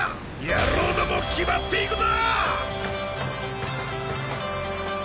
野郎ども気張っていくぞ！